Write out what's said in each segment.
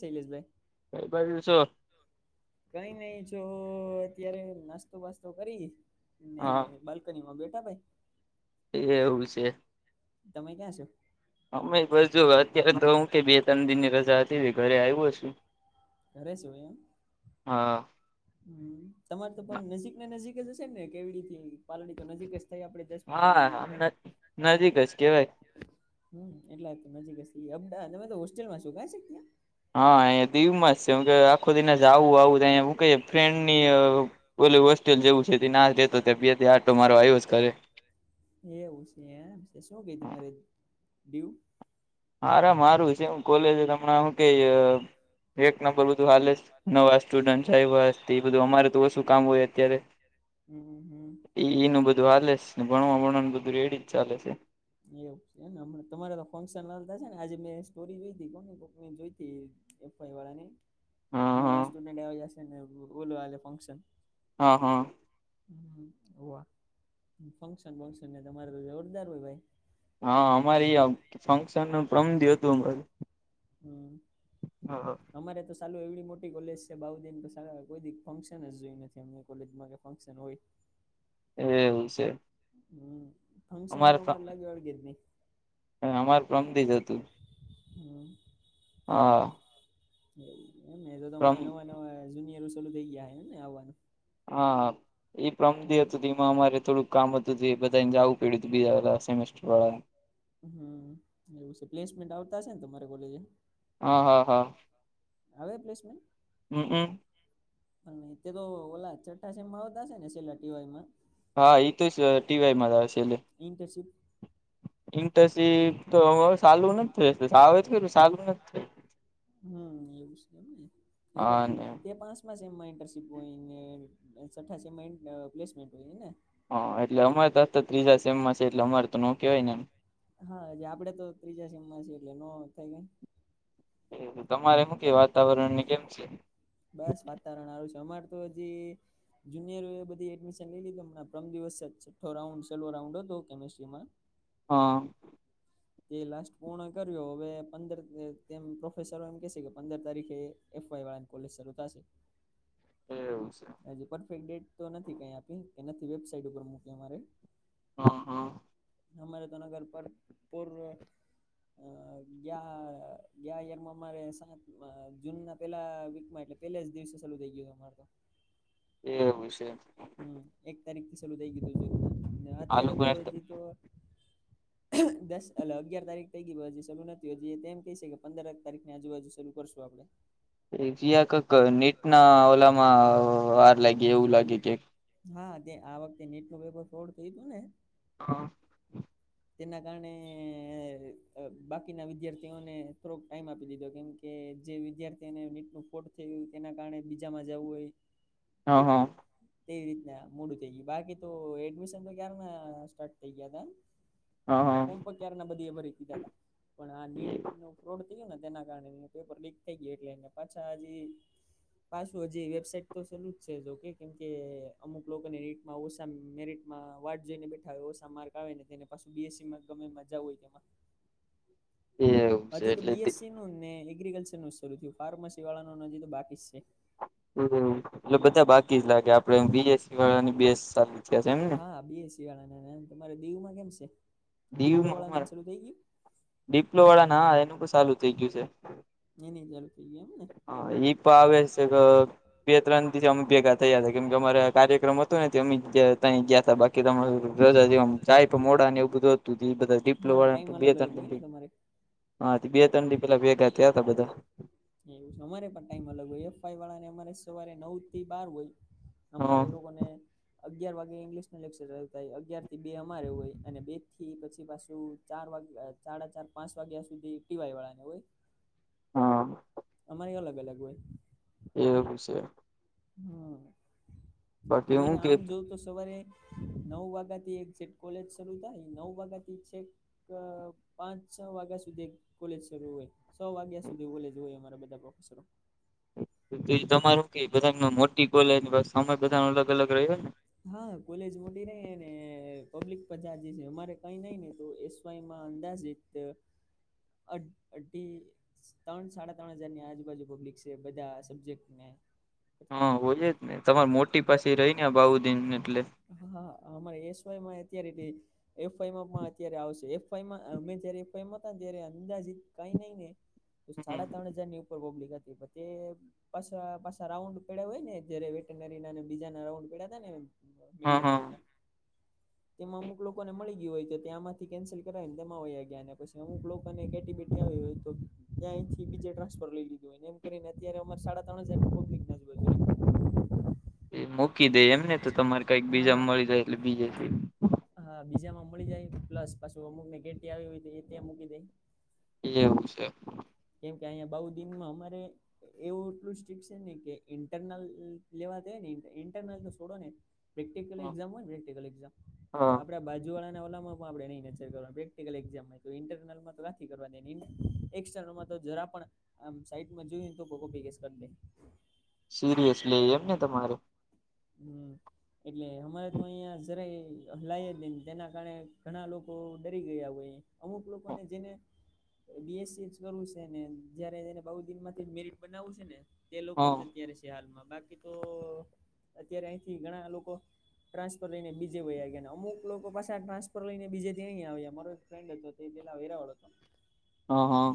શૈલેષભાઈ કઈ બાજુ છો? કઈ નય જો અત્યારે નાસ્તો બાસ્તો કરી ને હા બાલ્ બાલ્કની માં બેઠા ભાઈ. [unintelligible] એવું છે. તમે ક્યાં છો? અમે બસ જો અત્યારે તો હું કે બે ત્રણ દિન ની રજા હતી એટલે ઘરે આયવો છું. ઘરે છો એમ. હા. હમમ તમારે તો પણ નજીક ને નજીક જ હશે ને કેવીડી થી પાલડી તો નજીક જ થાય આપડે. દસ પંદર હા કિલોમીટર આમ થાય નજીક જ કેવાય. હમમ એટલા હારુ નજીક જ કેહવાય અમદાવાદ. તમે તો હોસ્ટેલમાં છો કય જગ્યા. હા એ દીવમા જ છે કે આખો દિને જવું આવું તું કય ફ્રેન્ડ ની પેલી હોસ્ટેલ જેવું છે તેના હાથે રેહતો બે દી આટો મારવા આવ્યો જ ઘરે. એવું છે એમ તે શું કેય તમારે દીવ. હારામા હારું છે એમ કોલેજ અમના હું કેય એક નંબર બધું હાલે છે. નવા સ્ટુડન્ટ આયવા છે તે બધું અમારે તો ઓછું કામ હોય અત્યારે. હમમ હમમ. એ એનું બધું હાલે છે ને ભણવા ભણવાનું બધું રેડી જ ચાલે છે. એવું છે ને એમ. તમારે તો ફંક્શન હાલતા છે ને આજે મેં સ્ટોરી જોઈતી કોને કોક ની જોઈતી. એફઆઈ વાળા ને હા હા નવા સ્ટુડન્ટ આવી જશે ને ઓલો આલે ફંક્શન. હા હા. હમમ હોવા ફંક્શન બક્શન ને તમારે તો જોરદાર હોય ભાઈ. હા અમારી યે એમ ફંક્શન નું પ્રમ દિયુ તું હમમ. અમારે તો સાલું એવડી મોટી કોલેજ છે બાવડી કોઈ દી ફંક્શન જ જોઈ નથી અમારી કોલેજમાં કે ફંક્શન હોય. એવું સે. હમમ ફંક્શન તો અમારે લાગે વળગે જ નય. હા અમારે પરમ દી જ હતું. હમમ. હા. એવુ એમને તો પ્રમ હમણાં નવા નવા જુનિયરો શુરુ થઈ ગયા હે ને આવવાનું. હા ઈ પરમ દી હતું તી માં અમારે થોડુંક કામ હતું એ બધાને જવું પડ્યું હતું બીજા સેમેસ્ટર વાળા એ. હમ એવું છે પ્લેસમેન્ટ આવતા હશે ને તમારે કોલેજે? હ હા હા. આવે પ્લેસમેન્ટ? હમ હમ. તે તો ઓલા છઠ્ઠા સેમમાં આવતા છે ને સેલા ટી વાયમાં. હા એ તો જ ટીવાયમાં આવે છે એટલે. ઇન્ટરશિપ ઇન્ટરશીપ તો સાાલું નથી થયુ આવે ચાલુ નથી થયું. હમ એવું છે એમને એ બ હા ને બે પાંચ મમાં ઇન્ટર્નશીપ હોય ને છઠા પ્લેસમેન્ટ હોય ને. હા એટલે અમારે તો આ ત્રીજા સેમ માં છે એટલે અમારે તો નો કેવાય ને એમ. હા હજ આપડે તો ત્રીજા સીમમાં છેએ એટલે નો થઈ ગયા. એ તમારે મું કે અ વાતાવરણ ની કેમ છે? બસ વાતાવરણ આારું છે. અમાર તો હજી જુનિયરો એ બધી એડમિશન લઈ લીધું હમણા પ્રમ દિવસે છઠ્ઠો રાઉન્ડ છેલ્લો રાઉન્ડ હતો કેમસ્ટ્રીમાં. હા. તે લાસ્ટ પૂર્ણ કર્યો હવે પંદર તેમ પ્રોફેસરો એમ કેશે કે પંદર તારીખે એફ વાય વાળાને કોલેજ શરૂ થશે. એવું છે. પરફેક્ટ ડેટ તો નથી કઈ આપી કે વેબસાઇટ ઉપર મૂકી અમારે. હા હા. હરે તો નગર પર પૂર્વ અ ગ ગ યરમાં અમારે સાત જૂન ના પેલા વીકમાં એટલે પેલા જ દિવસે ચાલુ થઈ ગયું અમાર તો. [unintelligible] હમ એક તારીખ થી શરૂ થઈ ગયું હતું આલુ અત્યારે તો હજી તો દસ એટલે અગિયાર તારીખ થઈ ગઇ હજુ શરૂુ નથી હજુ એમ કયે સે કે પંદરેક તારીખની આજુબાજુ શરૂ કરશું આપડે. જ કક નેટના ઓલામાં વાર લાયગી એવું લાગે કે. હા આ વખતે નિટનું પેપર ફ્રોડ ગયુ તુ ને. હા. તેના કારણે બાકીના વિદ્યાર્થીઓને થોડોક ટાઈમ આપી દીધો કેમ કે જે વિદ્યાર્થીને નીટનું ફ્રોડ થયું તેના કારણે બીજામાં જવું હોય. હા હા. તેવી રીતના મોડું થઈ ગયું બાકી તો એડમિશન તો ક્યારના સ્ટાર્ટ થઈ ગયાતા. હા ફોર્મ પણ ક્યારના બધી એ ભરી દીધા. પણ આ નીટ નું ફ્રોડ થયું ને તેના કારણે પેપર લીક થઈ ગયા એટલે પાછા હજી. પાછું હજી વેબસાાઈટ તો ચાલુ જ છે જોકે કેમ કે અમુક લોકોને નીટ ઓસા મેરિટમાં વાટ જોઈને બેઠા હોય ઓસા માર્ક આવેને તેને બી એસ સીમાં ગમે એમા જાવું હોય તેમાં એવું છે હજી તો એટલે બી એસ સી નું ને એગ્રીિકલ્ચર નું જ શરૂ થયું ફાર્મસી વાળાનું હજી તો બાકી જ સે એટલે બધા બાકી જ લાગે આપડે બી એસ સી વાળાને બે જ સાલુ થયા લાગે એમ ને. એને તમારે દીવમાં કેમ સે? ડીપલો દીવમાં વાળા ને અમારા શરુ થઈ ગયું? ડિપ્લો વાળાને હા ને એનું તો સાલું થઇ ગયું છે. એનેય ચાલુ થઈ ગયુ એમ ને. હા એ બે ત્રણ દિવસે અમે ભેગા થયા હતા કેમ કે અમારે કાર્યક્રમ હતો નથી અમે ગયા હતા બાકી ત રા મોડા ને એવું બધુંતું એ હા બધા પ ટાઈમ બે અલગ ત અલગ હોય ને તમારે એવું હા બે ત્રડી પેલા ભેગા થયા તા બધા એવું અમારે પણ ટાઈમ અલગ હોય એફઈ વાળા ને અમારે સવારે નવ થી બાર હોય. અમારે એ લોકોને. અગિયાર વાગે ઇંગ્લિશ ન લેક્ચર થય અગયારથી બે અમારે હોય અને બે થી પછી પાછું ચાર વાગે. સાડા ચાર પાંચ વાગ્યા સુધી ટિવાય વાળા ને હોય. હા અમારે અલગ અલગ હોય. એમ વિશે. હમ બાકી અનેને હું કે આમ જોવ તો સવારે. નવ વાગ્યા થી એક છે કોલેજ શરૂુ થાય નવ વાગ્યા થી છે. પાંચ છ વાગ્યા સુધી કોલેજ શરૂ હોય. સો વાગ્યા સુધી ઓલે જ હોય અમારા બધા પ્રોફેસરો તમારું કે બધા મોટી ગલેને સમયધા અલગ અલગ રહ્યો હોય ને. હા કોલેજ મોટી રહી ને પબ્લિક પજાજ છે અમારે કઈ નહી ને તો એસ વાય માં અંદાજે તો અ અડી. ત્રણ સાડા ત્રણ હજારની આજુબાજુ પબ્લિક છે બધા સબ્જેક્ટ ને હા હોય જ ને તમારી મોટી પાસે રહી ને બાઉદીન એટલે હા હા અમારે એસ વાય માં અત્યારે એફઆઈમાં પણ અત્યારે આવશે એફઆઈમાં અમે જયારે એફઆઈમાં હતા ત્યારે અંદાજ કઈ નઈને. હમ સાડા ત્રણ હજાર ની ઉપર પબ્લિક હતી તે પાછ પાછા રાઉન્ડ પે હોય ને જય વેટનરી ના બીજા ના રાઉન્ડ પે ને હા મેડિકલ હા લાઈન તેમાં અમુક લોકોને મળી ગયું હોય તો ત્યાંમાંથી કેન્સલ કરાવી ને તેમાંયા ગયા અને પછી અમુક લોકો બેટી આવી હોય તો ત્યાંંથી બીજે ટ્રાન્સફર લઈ લીધું. એમ કરીને અત અમા સાડા ત્રણ હજારબ એ મૂકી દે એમને તો તમારે કઈક બીજા હા મળી જાય એટલે બીજે છે. હા બીજા માં મળી જાય પ્લસ પાછું અમુક ને ગેટી આવી હોય એ ત્યાં મૂકી દાય. એટલે એવું છે. કેમ કે અહીયાયા બઉ દિનમાં અમારે એવું એટલું સ્ટ્રિક છે ને કે ઇન્ટરનલ લેવા હોય ને ઇન્ટરનલ તો છોડો ને પ્રેક્ટિકલ એક્ઝામ હોય ને પ્રેકલ એામ તો હા આપડા બાજુ વાળાના ઓલા. કરવાલામ તો કરવા [unintelligible] જરા પણ આમ સાઈટમાં જોયું તોપીગસ કરી દે. સિરિયસ લ એમ ને તમારે. હમ એટલે અમારે તો અહિયાં જરાય. લાય બેન તેના કારણે ઘણા લોકો ડરી ગયા હોય અમુક હા લોકોને જેને બી એસસી જ કરવું છે ને જયારે એને બઉુ દિન માંથી મેરટ બનાવું છે ને. તે લોકો હા જ અત્યારે છે હાલમાં બાકી તો અત્યારે અહીંથી ઘણા લોકો. ટ્રાન્સફર લઈને બીજે વય ગયા ને અમુક લોકો પાસેા ટ્રાન્સફર લઈને બીજે ત્યાં આવ્યા મા. ફ્રેન્ડ હતો તો તે પલા વૈરા ઓળતો હતો. હ હા.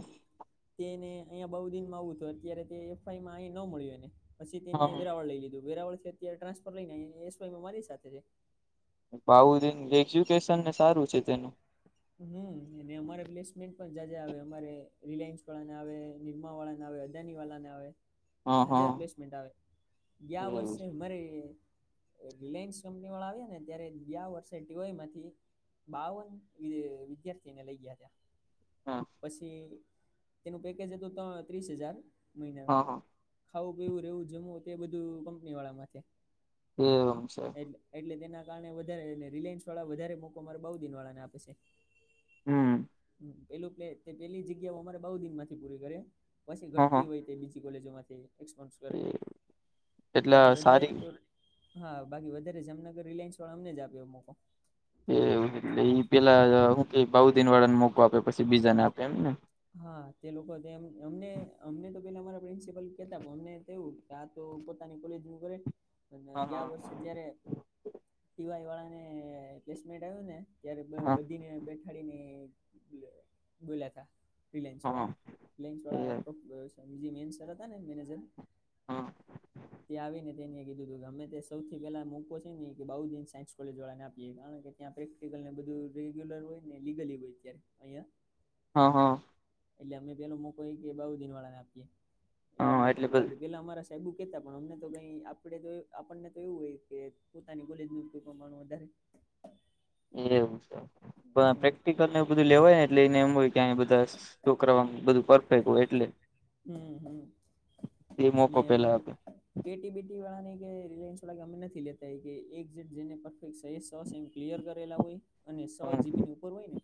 તેને અહીંયા બઉુ દિનમાં આવું હત અત્યારે તે એફઆઈમાં અહી ન મળ્યું એને. પછી તેને હા વેરાવળ લઈ લીધું વેરાવળ થી અત્યારે ટ્રાન્સફર લઈને એસ વાયમાં મારી સાથે છે. ભઉજન એજ્યુકેશન ને સારું છે તેનું. હમમ અને અમારે પ્લેસમેન્ટ પણ જાજા આવે અમારે રિલાયન્સ વાળા ના આવે, નિરમા વાળા ના આવે. ડેની વાલા ને આવે. હા હા જાજા પલેસમેન્ટ આવે ગયા એવું વર્ષે અમારે અ રિલાયન્સ કંપની વાળા આવ્યા ને ત્યારે ગિયા વર્ષે ટીવાય માંથી બાવન વી વિદ્યાર્થીને લઈ ગયા તા છે પછી તેનું પેકેજ હતું ત ત્રીસ હજાર મહિનાનું. હા હા ખાવું, પીવું, રહેવું, જમવું તે બધું કંપની વાળા માં છે. એ એમ છે. એટલે તેના કારણે વધારે ને રિલાયન્સ વાળા વધારે મોકો મારા બઉ દિન વાળા ને આપે છે. હમમ. પેલું પ્લે તે પેલી જગ્યાઓ અમારે બઉ દિ માંથી પૂરી કરે પછી હા હા ઘટતી હોય તે બીજી કોલેજો માંથી એક્સપોન્સ કરી એટલે બાકી વધારે સારી તો હા બાકી વધારે જામનગર રિલાયન્સ વાળા અમને જ આપે મોકો. એવું એટલે ઈ પેલા હું કે બઉ દિન વાળાને મોકો આપે પછી બીજાને આપે એમ ને. હા તે લોકો તો એમ અમને અમને તો પેલા અમારા પ્રિન્સિપલ કેતા અમને તેવું ક્યાં તો પોતાની કોલેજ નું કરે અને હા હા ગીયા વર્ષે જયારે ટીવાય વાળાને પ્લેસમેન્ટ આવ્યું ને ત્યારે હા બધી ને બેઠાડીને બોલ્યા તા રિલાયન્સ વાળા હા રિલાયન્સ એ વાળા તો જે મેન સર હતા ને મેનેજર હા ત્યા આવીને તેને કીધું તું કે અમે તે સૌથી પેલા મોકો છે ને ઈ કે બાઉ દિન સાયનસ કોલેજ વાળા ને આપીએ કારણ કે ત્યાં પ્રેક્ટિકલ ને બધું રેગ્યુલર હોય ને લીગલી હોય ત્યારે અહિયાં હા હા. એટલે અમે પેલો મોકોએ ઈ કે બાઉ દિન વાળા ને આપીએ એટલે હા અમને ખબર બધું બાકી પેલા અમારા સ સાહેબુ કેતા પણ અમને તો કઈ આપડે તો આપણને તો એવું હોય કે પોતાની કોલેજ નું કોઈ પ્રમાણ વધારે એવું છે પણ હમ પ્રેક્ટિકલ ને એવું બધું લેવાય ને એટલે એને એમ હોય કે બધા છોકરા ઓ બધું પરફેક્ટ હોય એટલે હમમ હમમ એ મોકો ને પેલા અમારે આપે કેટીબીટી વાળા ને કે રિલાયન્સ વાળા કે અમે નથી લેતા એકે એક જન જેને પરફેક્ટ સોસ ક્લિયર કરેલા હોય અને સો જીબી ની ઉપર હોય ને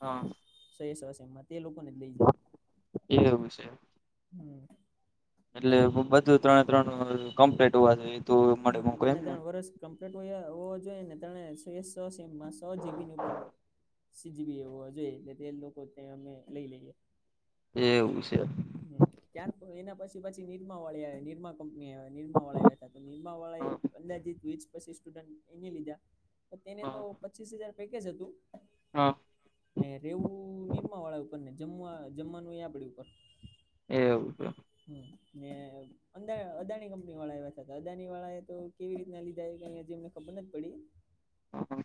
હા. સય સોસ એમાં તે લોકોને જ લઈ જાય. એવુ છે એમ હમમ. એટલે બધું ત્રણે ત્રણ કમ્પ્લીટ હોવા જોઈએ તો મળે હા મોકો ત્રણે એમને. ત્રણ વર્ષ કમ્પ્લીટ હો હોવા જોઈએ ને ત્રણ એ સીમમાં સો જીબી ની ઉપર સીજપીએ હોવા જોઈએ એટલે તે લોકો ત્યાં અમે લઈ લઈએ. એવું છે. હમમ ત્યાર એના પછી પછી નીરમા વાળી નિરમા કંપની નિરમા વાળા આવ્યા તા નીરમા વાળા એ અંદાજી વીસ પચીસ સ્ટુડન્ટ એની લીધા પણ તેને તો હા પચીસ હજાર પેકેજ હતું હા. ને રેવું નિરમા વાળા ઉપર ને જમવા જમવાનું એ આપડી ઉપર એવું છે. હ મે અા અદાણી કંપની વાળા એ અદાણી વાળા એ તો કેવી રીતના લીધા હજી એમને ખબર નથી પડી. હ હ.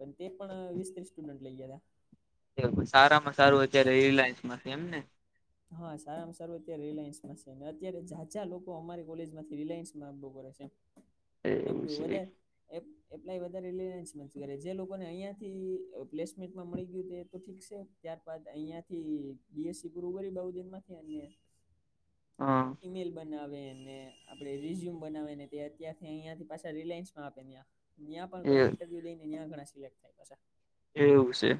પણ તે પણ વીસ ત્રીસ સ્ટુડન્ટ લઈ ગયા હતા. સારામાં સારું અત્યારે રિલાયન્સ માંથી એમ ને? હા સારામાં સારું અત્યારે રિલાયન્સમાં છે ને અત્યારે જા્યા જં લોકો અમારી કોલેજમાંથી રિલાયન્સમાંભો કરે છે. [inaudible] એટલું છે વધારે. એ એપ્લાય વધારે રિલાયન્સમાં કરે જે લોકોને અહીંયા થી પ્લેસમેન્ટમાં મળી ગયું એ તો ઠીક છે. ત્યારબાદ અહિયાં થી બીએસસી પૂરું કરી બઉુ દિન માંથી અને હા. ઈમેલ બનાવે ને આપણે રિઝ્યુમ બનાને તે અત્યારથી અયાથી પાછ રિલાયન્સમાં આપે ત. ત્યાં પણ એ ઘણા એવું ઈન્ટરવ્યુ લઈ ને ત્યાં ઘણા સિલેક્ટ થાય પાછ. છે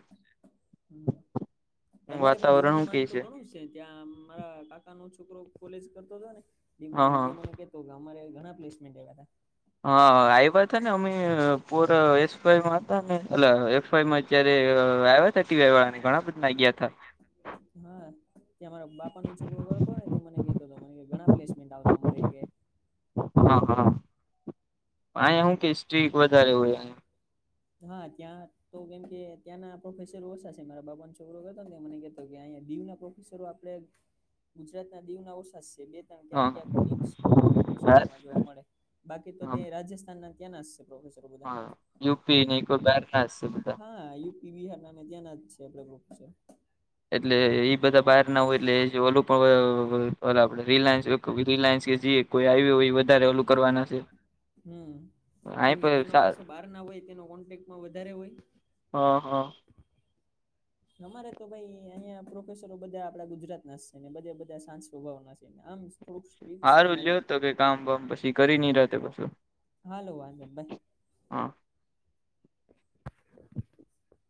તમારે પણ દીવ વાતાવરણ નું હું કે માન તો ઘણું છે. ત્યાં મારા કાકા નો છોકરો કોલેજ કરતો હતો ને, હા ડિપ્લોમા હા તે મને તો અમારે ઘણા પ્લેસમેન્ટ આવ હતા. હા આ વા હતા ને અમે પર એઆમાં હતા ને એ. અત્યારે આવ્યા ત ટીવી વાળા ને ઘણા બધા ના ગયા હતા. હા તં મારા બાપા ન છોકરો કરતો ને તે મને ક મને ઘણા પ્લેસમેન્ટ આવતા અમારે. હા હા, અ શું કે સ્રી વધારે હોય. હા ત્યાં તો કેમકે ત્યાં પ્રોફેસરો ઓછા છે મારા બાપા ના છોકરો ગ હતો ને મને કેતો કે અયા દીવ ના પ્રોફેસરો આપ આપણે ગુજરાત ના દીવના અવસા છે બે ્યાંક હા ક્યાંક એક બહાર- સ્ટાફમાં જોવા મળે, બાકી તો હા તે રાજસ્થાનના ત્યાંના પ્રોફેસર [unintelligible] હા યુ પી ન કો બેર ના બધા. હા યુપી બિહાર નામે ત્યાં ના જ છે આપડે ગ્રુપ છે. એટલે એ બધા બહાર ના હોય એટલે એ ઓલું પણ ઓલો આપડે રિલાયન્સ રિલાયન્સ કે જે કોઈ આવ હોય એ વધારે ઓલું કરવાના છે. હમ, અહી કેમકે પર તેના સારું પાસે બહાર ના હોય તેનો કોન્ટેક્ટમાં વધારે હોય. હં હા. અમારે તો ભાઈ અહિયાં પ્રોફેસરો બધા આપડા ગુજરાત ના છે ને બધા બધા સાંસ પ્રભાવઓ ના છે. આમ થોડુંક સ્ટ્રીક છે સારું અમારે લે્યો તો કે કામ બમ પછી કરી નહી રતે પછું. હાાલ લો વાંધો બાય. [inaudible]